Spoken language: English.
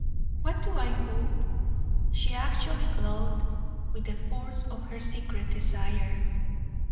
"What do I hope?" She actually glowed with the force of her secret desire.